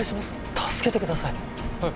助けてくださいはっ